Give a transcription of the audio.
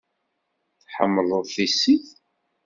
Tḥemmleḍ tissit?